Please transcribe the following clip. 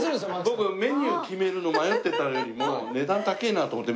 僕メニュー決めるの迷ってたよりも。